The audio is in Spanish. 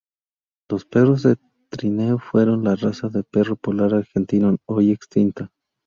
Los perros de trineo fueron de la raza perro polar argentino, hoy extinta.